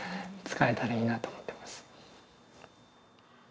使えたらいいなと思ってます。